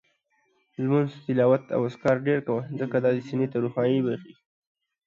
لمونځ، تلاوت او اذکار ډېر کوه، ځکه دا دې سینې ته روښاني بخښي